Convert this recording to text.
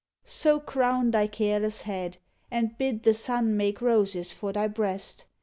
So, crown thy careless head, And bid the sun make roses for thy breast